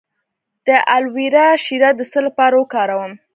د الوویرا شیره د څه لپاره وکاروم؟